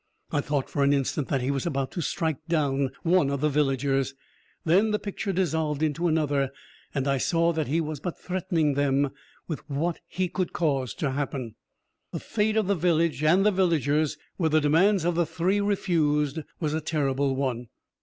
I thought for an instant that he was about to strike down one of the villagers; then the picture dissolved into another, and I saw that he was but threatening them with what he could cause to happen. The fate of the village and the villagers, were the demands of the three refused, was a terrible one.